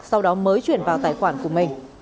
sau đó mới chuyển vào tài khoản của mình